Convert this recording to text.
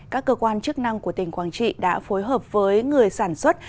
các cơ quan chức năng của tỉnh quảng trị đã phối hợp với người sản xuất